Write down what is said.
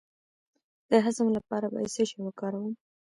د هضم لپاره باید څه شی وکاروم؟